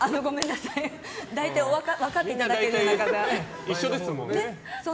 大体分かっていただけるかと。